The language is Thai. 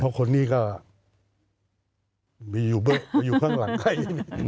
เพราะคนนี้ก็มีอยู่เบิ้ลอยู่ข้างหลังใคร